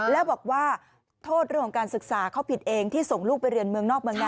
แล้วบอกว่าโทษเรื่องของการศึกษาเขาผิดเองที่ส่งลูกไปเรียนเมืองนอกเมืองนา